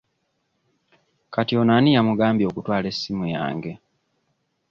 Kati ono ani yamugambye okutwala essimu yange.